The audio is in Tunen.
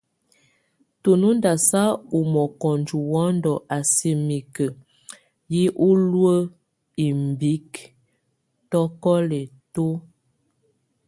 Tu nóndasa o mɔkɔnjɛ wɔnd a sɛk mike yé hulek imbik, tokɔlɛ tó.